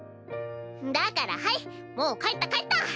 だからはいもう帰った帰った！